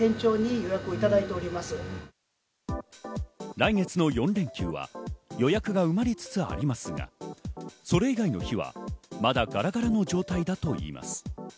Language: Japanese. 来月の４連休は予約が埋まりつつありますが、それ以外の日はまだガラガラの状態だといいます。